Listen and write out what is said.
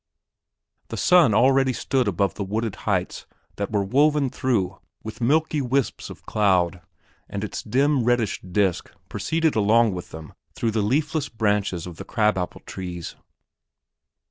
The sun already stood above the wooded heights that were woven through with milky wisps of cloud, and its dim reddish disk proceeded along with them through the leafless branches of the crab apple trees.